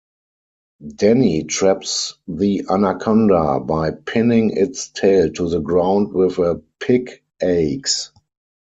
Danny traps the anaconda by pinning its tail to the ground with a pickaxe.